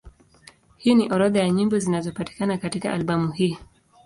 Hii ni orodha ya nyimbo zinazopatikana katika albamu hii.